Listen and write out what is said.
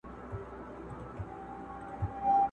تا پخپله جواب کړي وسیلې دي!.